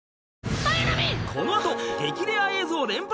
［この後激レア映像連発！